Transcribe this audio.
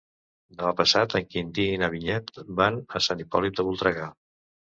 Demà passat en Quintí i na Vinyet van a Sant Hipòlit de Voltregà.